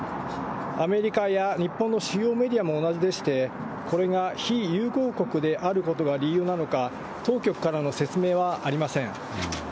アメリカや日本の主要メディアも同じでして、これが非友好国であることが理由なのか、当局からの説明はありません。